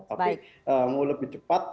tapi mau lebih cepat